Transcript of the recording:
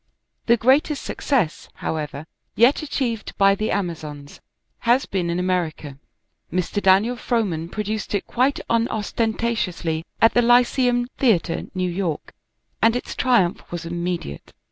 The greatest success, however, yet achieved by "The Amazons," has been in America. Mr. Daniel Frohman produced it quite unostentatiously at the Lyceum Theatre, New York, and its triumph was immediate.